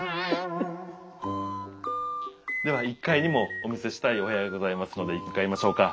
では１階にもお見せしたいお部屋がございますので向かいましょうか。